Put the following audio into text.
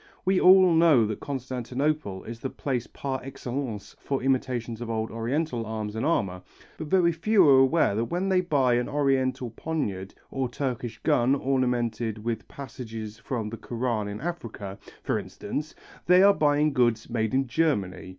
We all know that Constantinople is the place par excellence for imitations of old Oriental arms and armour, but very few are aware that when they buy an Oriental poignard or Turkish gun ornamented with passages from the Koran in Africa, for instance, they are buying goods made in Germany.